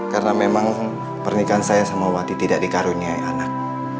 karena memang pernikahan saya sama wati tidak dikaruniai anak